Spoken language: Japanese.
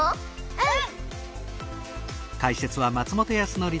うん！